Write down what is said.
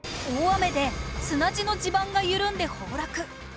大雨で砂地の地盤が緩んで崩落